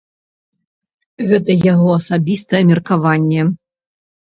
Гэта яго асабістае меркаванне.